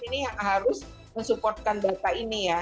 ini yang harus mensupportkan data ini ya